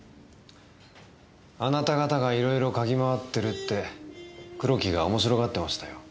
あなた方が色々嗅ぎまわってるって黒木が面白がってましたよ。